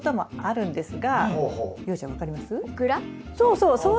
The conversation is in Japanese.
そうそう！